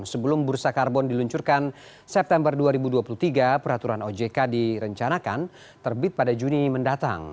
sebelum bursa karbon diluncurkan september dua ribu dua puluh tiga peraturan ojk direncanakan terbit pada juni mendatang